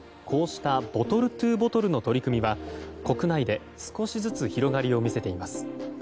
こうしたボトルｔｏボトルの取り組みは国内で少しずつ広がりを見せています。